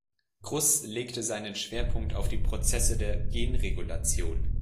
Gruss legte seinen Schwerpunkt auf die Prozesse der Genregulation.